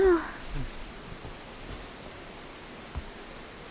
うん。